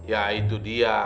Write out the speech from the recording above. ya itu dia